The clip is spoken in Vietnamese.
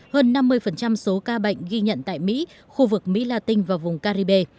hơn năm mươi số ca bệnh ghi nhận tại mỹ khu vực mỹ latin và vùng caribe